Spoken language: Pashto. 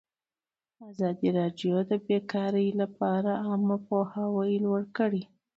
ازادي راډیو د بیکاري لپاره عامه پوهاوي لوړ کړی.